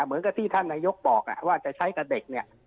เหมือนกับที่ท่านนายกบอกว่าจะใช้กับเด็กเนี่ย